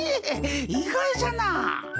意外じゃなあ。